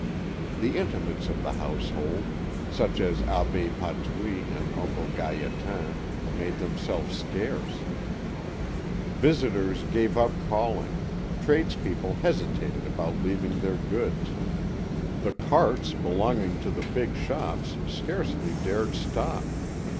The intimates of the household, such as Abbé Patouille and Uncle Gaétan, made themselves scarce; visitors gave up calling, tradespeople hesitated about leaving their goods, the carts belonging to the big shops scarcely dared stop.